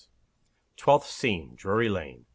TWELFTH SCENE. DRURY LANE.